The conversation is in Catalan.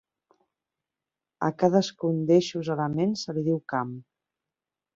A cadascun d'eixos elements se li diu camp.